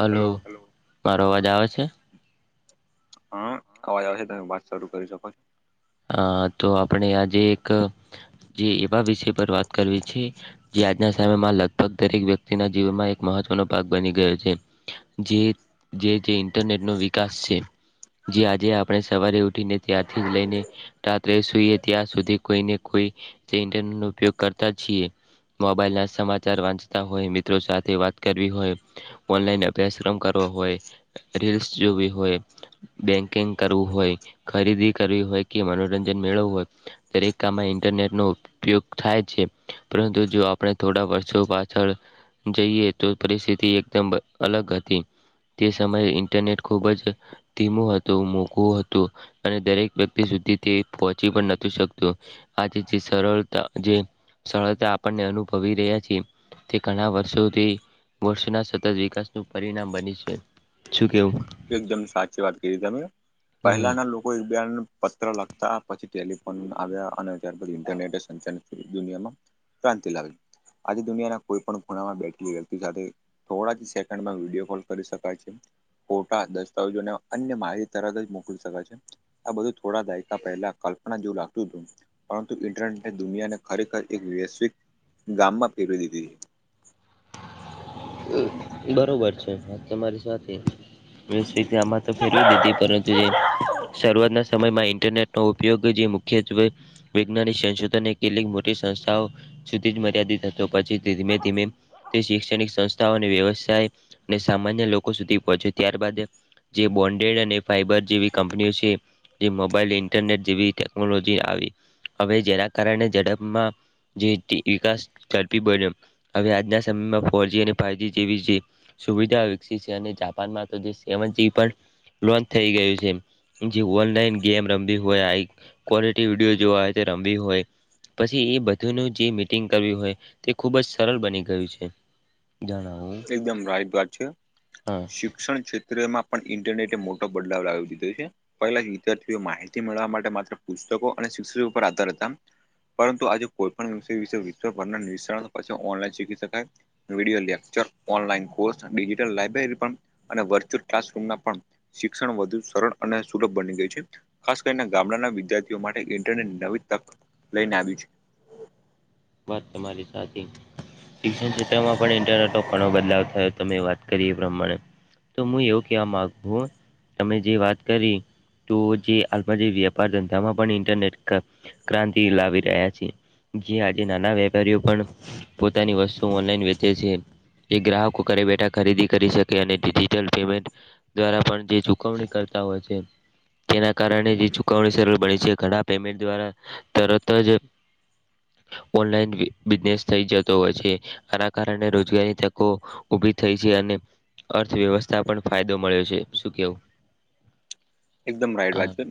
Hello મારો અવાજ આવે છે હા અવાજ આવશે તમે વાત શરૂ કરી શકો છો અ તો આપણે આજે એક જે એવા વિષય પર વાત કરવી છે જે આજના સમયમાં લગભગ દરેક વ્યક્તિના જીવનમાં એક મહત્વનો ભાગ બની ગયો છે જે ઇન્ટરનેટ નો વિકાસ છે જે આજે આપણે સવારે છૂટીને ત્યાારથી જ લઈને રાત્રે સુઈએ ત્યાં સુધી કોઈને કોઈ ન ઉપયોગ કરતા જીએ મોબાઈલ ના સમાચાર વાંચતા હોય મિત્રો સાથે વાત કરવી હોય ઓનલાઈન અભ્યાસક્રમ કરવો હોય રીલ્સ જોવી હોય બેંકિંગ કરવું હોય ખરીદી કરવી હોય કે મનોરંજન મેળવું હોય દરેકાામમાં ઇન્ટરનેટનો ઉપ ઉપયોગ થાય છે પરંતુ જો આપણે થોડા વર્ષો પાછળ જઈએ તો પરિસ્થિતિ એકદમ અલગ હતી તે સમયે ઇન્ટરનેટ ખુબ જ ધીમું હતું મોઘવું હતું અને દરેક વ્યક્તિ સુધી તે પહોંચી પણ નથી શકતું આજે જે સરળતા જે સરળતા આપણને અનુભવી રહ્યા છેીએ તે ઘણા વર્ષોથી વર્ષના સતત વિકાસનું પરિણામ બની છે શું કેવું એકદમ સાચી વાત કરી તમે હમ પહેલાના લોકો કોઈ બેન પત્ર લખતા પછી ટેલિફોન આવ્યા. અને ત્યાર પછી ઇન્ટરનેટે સંચાલિત દુનિયામાં ક્રાંતિ લાવી આજે દુનિયાના કોઈ પણ ખૂણામાં બેઠેલી વ્યક્તિ સાથે થોડા જ સેકન્ડમાં વિડીયો કોલ કરી શકાય છે. ફોટા દસ્તાવેજોને અન્ય માહિત તરત જ મોકલી શકાય છે. આ બધું થોડા દાયકા પહેલા કલ્પના જેવું લાગતું હતું. પરંતુ ઇન્ટરનેટે દુનિયાને ખરેખર એક વૈશ્વિક ગામમાં પેરવી દીધી હતી. બરોબર છે. વાત તમારી સાથેતે આમાં ફેવી દીધી પરંતુ શરૂઆતના સમયમાં ઇન્ટરનેટ ન ઉપયોગ જે મુખ્યત્વે વૈજ્ઞાનિક સંશોધન એ કેટલીક મોટી સંસ્થાઓ સુધી જ મર્યાદિત હતો. પછી ધીમે ધીમે તે ક્ષણિક સંસ્થાઓ અને વ્યવસાય અને સામાન્ય લોકો સુધી પહોંચે ત્યારબાદ જે બોન્ડેડ અને ફાઈબર જેવી કંપનીઓ છે. જે મોબાઈલ ઇન્ટરનેટ જેવી ટેકનોલોજી આવી હવે જેના કારણે ઝડપમાં જે વિકાસ ઝડપી બન્યો. હવે આજના સમયમાં ફોરજી અને ફાયજી જેવી છે સુવિધા વિકસી છે. અને જાપાન માં તો સેવનજી લોન્ચ થઈ ગયું છે એમ. જે ઓનલાઈન ગેમ રમવી હોય. આ ક્વોલિટી વિડીયો જો હોય તે રમવી હોય. પછી એ બધુંનું જે મીટિંગ કર્યું હોય તે ખુબ જ સરળ બની ગયું છે. જાના હો. એકદમ રાઈટ વાત છે. હા. શિક્ષણ ક્ષેત્રમાં પણ ઇન્ટરનેટ મોટો બદલાવ લાવી દીધો છે. પહેલા જ વિદ્યાર્થીઓ માહિતી મેળવા માટે માત્ર પુસ્તકો અને શિક્ષકો ઉપર આધાર હતા. પરંતુ આજે કોઈ પણ વિષય વિશે ઓનલાઇન શીખી શકાય. Video lecture online course digital library અને વર્ચ્યુઅલ ક્લાસરૂમ પણ શિક્ષણ વધુ સરળ અને સુલભ બની ગયું છે. ખાસ કરીને ગામડાના વિદ્યાર્થીઓ માટે ઇન્ટરને નવી તક લઈને આવી છે. વાત તમારી સાચી શિક્ષણ ક્ષેત્રમાં પણ ઇન્ટરનેટ નો ઘણો બદલાવ થયો. તમે વાત કરી એ પ્રમાણે. તો હું એવું કેવા માંગુ તમે જે વાત કરી તો જે હાલમાં જે વ્યાપાર ધંધામાં પણ ઇન્ટરનેટ ક્રાંતિ લાવી રહ્યા છે. જે આજે નાના વેપારીઓ પણ પોતાની વસ્તુ ઓનલાઈન વેચે છે. એ ગ્રાહકો ઘરે બેઠા ખરીદી કરી શકે. અને ડિજિટલ પેમેન્ટ દ્વારા પણ જે ચુકવણી કરતા હોય છે. તેના કારણે ચુકવણીરૂર બની છે. ઘણા પેમેન્ટ દ્વારા તરત જ ને થઈ જતો હોય છે. આના કારણે રોજગારી તકો ઉભી થઈ છે. અને અર્થવ્યવસ્થા પણ ફાયદો મળ્યો છે. શું કેવું? એકદમ રાઈટ વાત હા છે.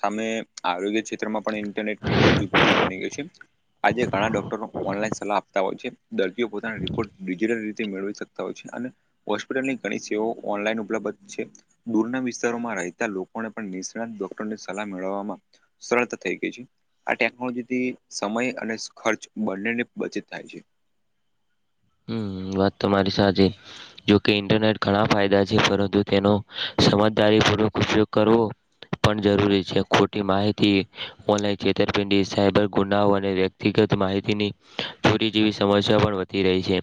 સામે આરોગ્ય ક્ષેત્રમાં પણ ઇન્ટરનેટ ખૂબ જ ઉપયોગી બની ગઈ છે. આજે ઘણા ડોક્ટરો ઓનલાન સલાહ આપતા હોય છે. દર્દીઓ પોતાના રિપોર્ટ ડિજિટલ રીતે મેળવી શક તા હોય છે. અને હોસ્પિટલની ઘણી સેવાઓ ઓનલાઈન ઉપલબ્ધ છે. દૂરના વિસ્તારોમાં રહેતા લોકોને પણ નિષ્ણાત ડોક્ટરોની સલાહ મેળવવામાં સરળતા થઇ ગઈ છે. આ ટેકનોલોજી થી સમય અને ખર્ચ બંનેની બચત થાય છે. હમ વાત તમારી સાચી. જોકે ઇન્ટરનેટ ઘણા ફાયદા છે પરંતુ તેનો સમજદારીપૂર્વક ઉપયોગ કરવો. પણ જરૂરી છે. ખોટી માહિતી ઓનલાઈન છેતરપિંડી સાયબર ગુનાઓ અને વ્યક્ગત માહિતીની ચોરી જેવી સમસ્યા પણ વધી રહી છે.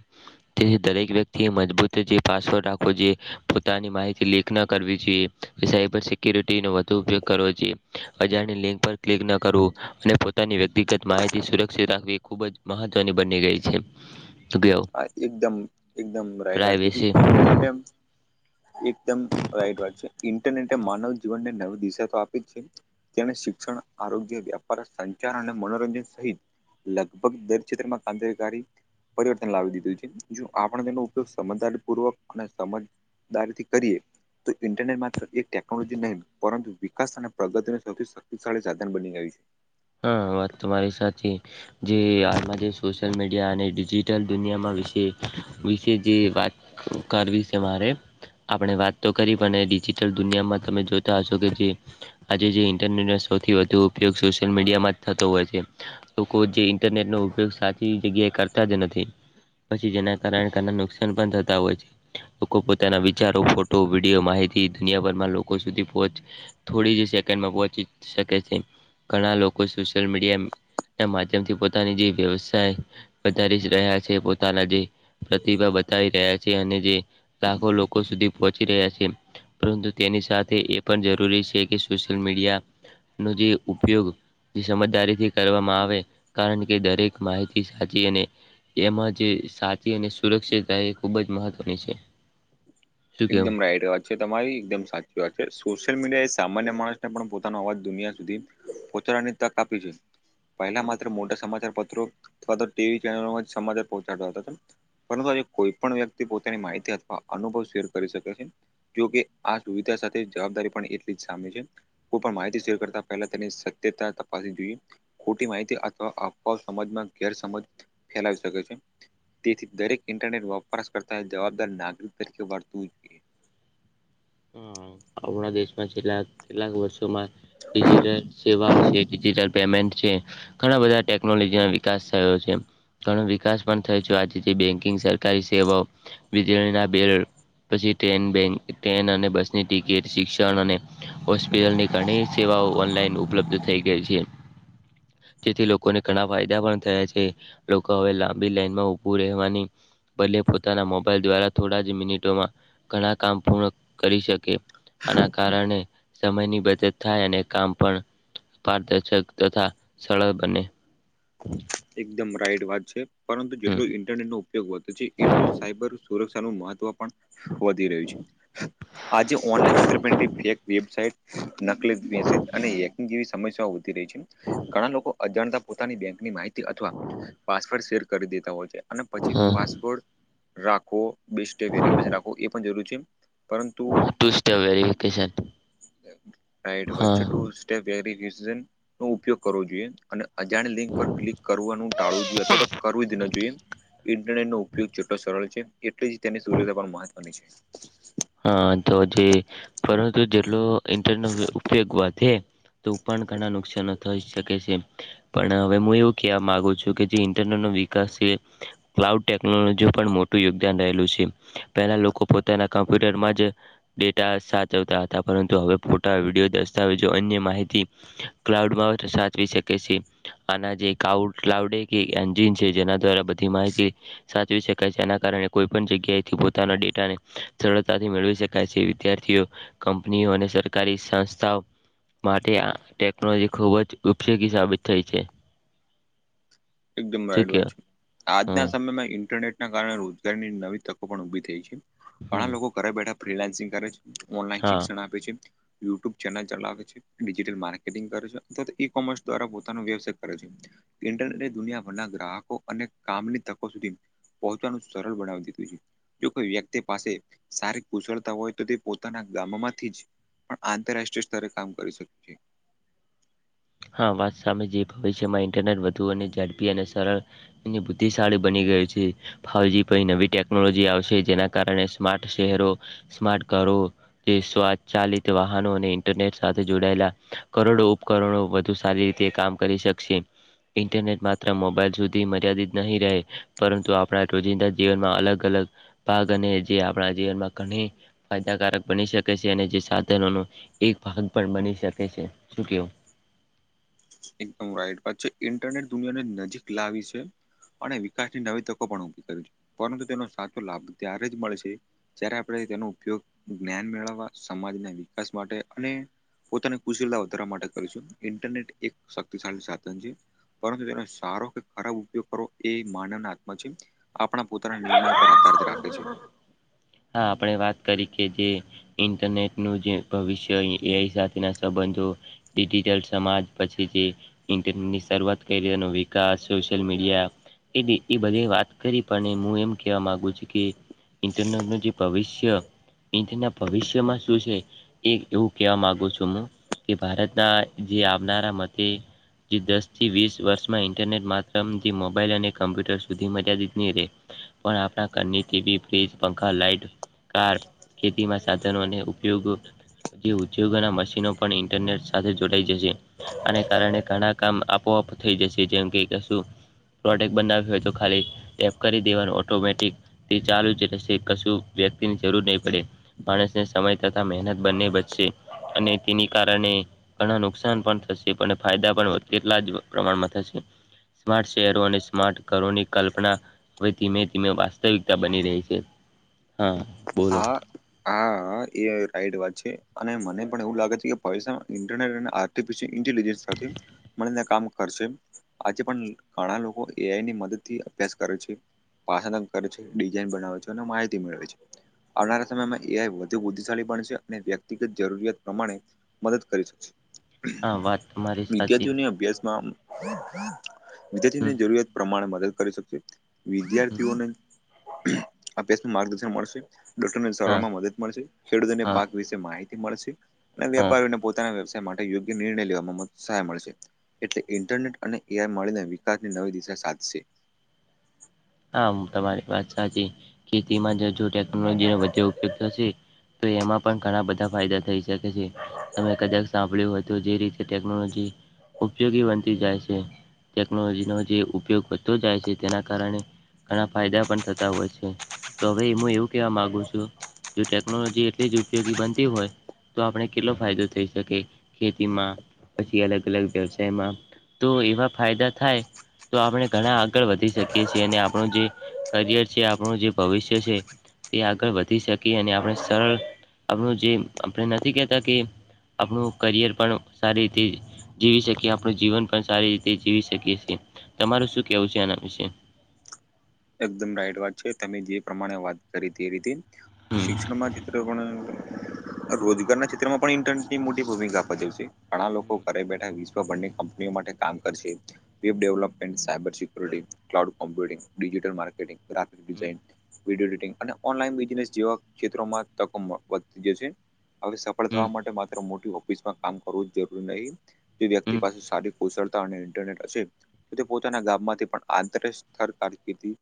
તેથી દરેક વ્યક્તિ એ મજબૂત જે પાસવર્ડ રાખવો જોઈએ. પોતાની માહિતી લેખ ના કરવી જોઈએ. સાબર સિકુરિટી નો વધુ ઉપયોગ કરવો જોઈએ અજાણ લિંક પર ક્લિક ન કરવ અને પોની વ્યક્તિગત માહિતી સુરક્ષિત રાખવી ખુબ જ મહત્વની બની ગઈ છે. અગિયાર એકદમ એકદમ પ્રાઇવેસી રાઈટ [inaudible] એકદમ રાઈટ વાત છે ઇન્ટરનેટે માનવ જીવનને નવી દિશા તો આપી જ છે. તેને શિક્ષણ આરોગ્ય વ્યાપાર સંચાર અને મનોરંજન સહિત લગભગ દર ક્ષેત્રમાં કાંતિકી લાવી દીધું છે જો આપણે તેનો ઉપયોગ સમજદારી પૂર્વક અને સમજદારી થી કરીએ તો ઇન્ટરનેટ માત્ર એક ટેકનોલોજી નહીં પરંતુ વિકાસ અને પ્રગતિને સૌથી ાળ સાધન બની ગ આવી છે હા વાત તમારી સાચી. જે આમાં જે સોશિયલ મીડિયા અને ડિજિટલ દુનિયામાં વિશે વિશે જે વાત કરવી છે મારે. આપણે વાત તો કરી પણ ડિજિટલ દુનિયામાં તમે જોતા હશો કે જે આજે જે ઇન્ટરનેટ સૌથી વધુ ઉપયોગ સોશલ મીડિયામાં જ થતો હોય છે લોકો જે ઇન્ટરનેટ ન ઉપયોગ સાચી જગ્યા કરતા જ નથી પછી જેના કારણેના નુકસાન પણ થતા હોય છે લોકો પોતાના વિચારો ફોટો વિડીયો માહિતી દુનિયાભરમાં લોકો સુધી પહુચ થોડી જ સેકન્ડમાં પહોચી શકે છે ઘણા લોકો સોશિયલ મીડિયા એ માધ્યમ થી પોતાની જે વ્યવસાય વધારી રહ્યા છે પોતાના જે પ્રતિભા બતાવી રહ્યા છે અને જે લાખો લોકો સુધી પહોંચી રહ્યા છે. પરંતુ તેની સાથે એ પણ જરૂરી છે કે સોશિયલ મીડિયા ન જે ઉપયોગ સમજદારીથી કરવામાં આવે કારણ કે દરેક માહિતી સાચી અને એમાં જે સાચી અને સુરક્ષિત એ ખુબ જ મહત્વની છે. શું કેવું? એકદમ રાઈટ અવાજ છે તમારી એકદમ સાચી વાત છે સોશિયલ મીડિયા એ સામાન્ય માણસને પણ પોતાનો અવાજ દુનિયા સુધી પોચરાની તક આપી છે. પહેલા માત્ર મોટા સમાચાર પત્રો અથવા તો ટીવી ચેનલોમાં સમાચાર પહોંચાડતા હતા. પરંતુ આજે કોઈ પણ વ્યક્તિ પોતાની માહિતી અથવા અનુભવ શેર કરી શકે છે જોકે આ સુવિધા સાથે જવાબદારી પણ એટલી જ સામે છે. કોઈ પણ માહિતી શેર કરતા પહેલા તેની સત્યતા તપાસી જોઈએ. ખોટી માહિતી અથવા અફવા સજમાં ગેરસજ ફેલાવી શકે છે. તેથી દરેક ઇન્ટરનેટ વપરાશ કરતા જવાબદાર નાગરિક તરીકે વર્તવું જોઈએ. હમ આપણા દેશમાં છેલ્લા કેટલાક વર્ષોમાં ડિજિટલ સેવાઓ છે ડિજિટલ પેમેન્ટ છે ઘણા બધા ટેકનોલોજી ને વિકાસ થયો છે. ઘણો વિકાસ પણ થાય છે આજથી બેંકિંગ સેલ્ ગાઇ સેવાઓ વીજળીના બિલ પછી ટ્રેન બેન ટેન અને બસની ટિકીટ શિક્ષણ અને હોસ્પિટલની ઘણી સેવાઓ ઓનલાઈન ઉપલબ્ધ થઈ ગઈ છે. જેથી લોકોને ઘણા ફાયદા પણ થયા છે. લોકો હવે લાંબી લાઈનમાં ઉભું રહેવાની બલે પોતાના મોબાઈલ દ્વારા થોડા જ મિનિટોમાં ઘણા કામ પૂર્ણ કરી શકે. આના કારણે સમયની બચત થાય અને કામ પણ પારદર્શક તથા સરળ બને. હ [unintelligible] એકદમ રાઈટ વાત છે પરંતુ જેટલું ઇન્ટરનેટ નો ઉપયોગ વધે છે એટલું સાયબર સુરક્ષ સુરક્ષા નુ મહત્વ પણ વધી રહ્યું છે આજે ઓનલાઈન ચિત્ર પિંડી ફેક વેબસાઇટ નકલી મેસેજ અને ની જેવી સમસ્યા વધી રહી છે ઘણા લોકો અજાણતા પોતાની બેંકની માહિતી અથવા પાસવર્ડ શેર કરી દેતા હોય છે અને પછી હા પાસવોર્ડ રાખો બે સ્ટેપ વેફ રાખ એ પણ જરૂર છે. પરંતુ ટુસ્ટ વેરિફિકેશન એટ વ હા છે ટુસ. તે વેરિફિકેશન નો ઉપયોગ કરવો જોઈએ અને અજાણ લિંક પર ક્લિક કરવાનું ટાળવું જોઈએ અથવા તો કરવું જ ન જોઈએ ઇન્ટરનેટ નો ઉપયોગ જેટલો સરળ છે એટલે જ તેની સૂર્યદ પણ મહત્વની છે. હા તો જે પરંતુ જેટલો ઇન્ટરનો ઉપયોગ વધે તો પણ ઘણા નુકશાનો થઈ શકે છે. પણ હવે હું એવું કેવા માંગુ છું કે જે ઇન્ટરનેટનો વિકાસ છે. ક્લાઉડ ટેકનોલોજી પણ મોટું યોગદાન રહેલું છે. પહેલા લોકો પોતાના કામ બુટર મા જ. ડેટા સાચવતા હતા પરંતુ હવે ફોટા વિડીયો દસ્તાવેજો અન્ય માહિતી. ક્લાઉડમાં જ સાચવી શકે છે. આના જે કાઉડ ક્લાઉડ એક એન્જીન છે જેના દ્વારા બધી માહિતી સાચવી શકાય છે. આના કારણે કોઈ પણ જગ્યાએથી પોતાના ડેટાને સરળતાથી મેળવી શકાય છે. વિદ્યાર્થીઓ કંપનીઓ અને સરકારી સંસ્થાઓ માટે આ ટેકનોલોજી ખૂબ જ ઉપયોગી સાબિત થઈ છે. એકદમ શું રાઈડ વાત કહેવાય છે આજના હા સમયમાં ઇન્ટરનેટના કારણે રોજગારની નવી તકો પણ ઊભી થઈ છે. હમ ઘણા લોકો ઘરે બેઠા ફલાન્સિંગ કરે છે, ઓનલાઈન હા શિક્ષણ આપે છે. યુટ્યુબ ચેનલ ચલાવે છે ડિજિટલ માર્કેટિંગ કરે છે અથવા તો ઈ કોમર્સ દ્વારા પોતાનો વ્યવસાય કરે છે. ઇન્ટરનેટે દુનિયાભરના ગ્રાહકો અને કામની તકો સુધી પોહોંચાનું સરળ બનાવી દીધું છે. જો કોઈ વ્યક્તિ પાસે સારી કુશળતા હોય તો તે પોતાના ગામમાંથી જ પણ આંતરરાષ્ટ્રીય સ્તરે કામ કરી શક્યું છે. હા વાત સામે જે ભવિષ્યમાં ઇન્ટરનેટ વધુ અને ઝડપી અને સરળ એની બુદ્ધિશાળી બની ગય છે. ફાવજી પઇ નવી ટેકનોલોજી આવશે જેના કારણે સ્માર્ટ શહેરો સ્માર્ટ ઘરો જે સ્વાચાલિત વાહનો અને ઇન્ટરનેટ સાથે જોડાયેલા કરોડો ઉપકરણો વત હારી રીતે કામ કરી શકશે. ઇન્ટરનેટ માત્ર મોબાઈલ સુધી મર્યાદિત નહીં રહે પરંતુ આપણા રોજિંદા જીવનમાં અલગ અલગ. ભાગ અને જે આપણા જીવનમાં ઘણી ફાયદાકારક બની શકે છે અને જે સાધનોનો એક ભાગ પણ બની શકે છે શું કેવ એકદમ રાઈટ વાત છે ઇન્ટરનેટ દુનિયાને નજીક લાવી છે. અને વિકાસની નવી તકો પણ ઉભી કરી છે. પરંતુ તેનો સાચો લાભ ત્યારે જ મળે છે જ્યારે આપણે તેનો ઉપયોગ જ્ઞાન મેળવવા સમાજના વિકાસ માટે અને પોતાની કુશીળતા વધારવા માટે કરીશું. ઇન્ટરનેટ એક શક્તિશાળી સાધન છે. પરંતુ તેનો સારો કે ખરાબ ઉપયોગ કરવો એ માનવ ના હાથમાં છે. આપણા પોતાના નિર્ણય પર આધાર રાખે છે. હા આપણે વાત કરી કે જે ઇન્ટરનેટનું જે ભવિષ્ય એ એઆઇ સાથેના સંબંધો ડિજિટલ સમાજ પછી જે ઇન્ટરનેટની શરૂઆત કરીએનો વિકાસ સોશિયલ મીડિયા એટી એ બધે વાત કરી પણ હું એમ કેવા માંગુ છું કે ઇન્ટરનેટનું. જે ભવિષ્ય ઇંધના ભવિષ્યમાં શું છે. એ એવું કેવા માગુ છું હું કે ભારતના જે આવનારા મતે જે દસ થી વીસ વર્ષમાં ઇન્ટરનેટ માત્રમથી મોબાઈલ અને કમ્પ્યુટર સુધી મર્યાદિત ની રેય. પણ આપણા ઘરની ટીવી ફ્ર્રીજ પંખા લાઈટ કાર ખેતીમાં સાધનો અને ઉપયોગો જે ઉદ્યોગોના મશીનો પણ ઇન્ટરનેટ સાથે જોડાઈ જશે. આને કારણે ઘણા કામ આપોઆપ થઈ જશે જેમ કે કશું. પ્રોડક્ટ બનાવી હોય તો ખાલી ટેપ કરી દેવાનું ઓટોમેટિક તે ચાલુ જ રેસે કશું. વ્યક્તિની જરૂર નહી પડે માણસને સમય તથા મહેનત બંને બચશે. અને તેની કારણે. ઘણા નુકસાન પણ થશે પણ ફાયદા પણ કેટલા જ પ્રમાણમાં થશે. સ્માર્ટ શહેરો અને સ્માર્ટ ઘરોની કલ્પના. હવે ધીમે ધીમે વાસ્તવિકતા બની રહી છે. હા. બોલો હા. હા એ રાઈટ વાત છે અને મને પણ એવું લાગે છે કે ભવિષ્યમાં ઇન્ટરનેટ તે પછી ઇન્ટેલજન્સ સાથે મળીને કામ કરશે. આજે પણ ઘણા લોકો એઆઈ ની મદદ થી અભ્યાસ કરે છે. પાછ કરે છે ડિઝાઇન બનાવે છે અને માહિતી મેળવે છે. આવનારા સમયમાં એ વધુ બુદ્ધિશાળી પણછે અને વ્યક્તિગત જરૂરિયાત પ્રમાણે મદદ કરી શકશે હા વાત તમારી સાચી વિદ્યાર્થીઓને અભ્યાસમાં હમ વિદ્યાર્થીની જરૂરિયાત પ્રમાણે મદદ કરી શકશે હમ વિદ્યાર્થીઓને અભ્યાસ ન માર્ગદર્શન મળશે ડોક્ટરને સારવાર હા માં મદદ મળશે ખેડૂતોને હા પાક વિશે. માહિતી મળશે અને હા વેપારીઓને પોતાના વ્યવસાય માટે યોગ્ય નિર્ણય લેવામાં સહાય મળશે. એટલે ઇન્ટરનેટ અને એઆઈ મળીને વિકાસની નવી દિશા સાધશે. હા હું તમારી વાત સાચી ખેતીમાં જો ટેકનોલોજીનો વધુ ઉપયોગ થશે. તો એમાં પણ ઘણા બધા ફાયદા થઈ શકે છે તમે કદાચ સાંભળ્યું તો જે રીતે ટેકનોલોજી ઉપયોગી બનતી જાય છે. ટેકનોલોજીનો જે ઉપયોગ વધતો જાય છે તેના કારણે. ઘણા ફાયદા પણ થતા હોય છે. તો હવે હું એવું કેવા માગુ છું. જો ટેકનોલોજી એટલી જ ઉપયોગી બનતી હોય. તો આપણે કેટલો ફાયદો થઈ શકે ખેતીમાં પછી અલગ અલગ વ્યવસાયમાં. તો એવા ફાયદા થાય તો આપણે ઘણા આગળ વધી શકીએ છીએ અને આપણું જે કરિર છે. આપણું જે ભવિષ્ય છે. તે આગળ વધી શકી અને આપણે સરળ આપણું જે આપણે નથી કેહેતા કે આપણું કરિયર પણ સારી રીતે જીવી શકીએ આપણું જીવન પણ સારી રીતે જીવી શકીએ છીએ. તમારું શું કહેવું છે? આના વિશે. એકદમ રાઈટ વાત છે તમે જે પ્રમાણે વાત કરી તે રીતે હમ શિક્ષણમાં તે્યારે પણણે રોજગાર ના ક્ષેત્રમાં પણ ઇન્ટરનેટ ની મોટી ભૂમિકા ભજવ છે ઘણા લોકો હમ ઘરે બેઠા વિશ્વ બંને કંપનીઓ માટે કામ કરશે web development, cyber security, cloud computing digital marketing, graphic હમ ડિઝઇન વિડીયો એડિટિંગ અને ઓનલાઈન બિઝનેસ જેવા ક્ષેત્રોમાં તકો વધતી જશે. હવે સફળ હમ થવા માટે માત્ર મોટી ઓફિસમાં કામ કરવું જ જરૂરી નહીિ. જે હમ વ્યક્તિ પાસે સારી કુશળતા અને ઇન્ટરનેટ હશે તો તે પોતાના ગામમાંથી પણ આંતર સ્થળ કારકર્દી